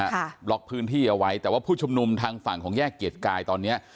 ค่ะล็อกพื้นที่เอาไว้แต่ว่าผู้ชุมนุมทางฝั่งของแยกเกียรติกายตอนเนี้ย